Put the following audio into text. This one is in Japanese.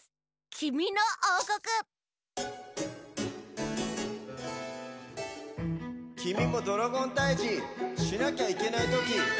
きみもドラゴンたいじしなきゃいけないときあるっしょ？